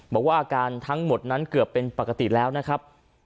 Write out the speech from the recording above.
บอกว่าอาการทั้งหมดนั้นเกือบเป็นปกติแล้วนะครับ